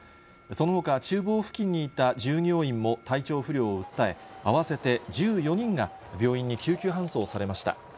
そのほか、ちゅう房付近にいた従業員も体調不良を訴え、合わせて１４人が病院に救急搬送されました。